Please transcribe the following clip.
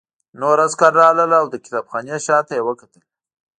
نور عسکر راغلل او د کتابخانې شاته یې وکتل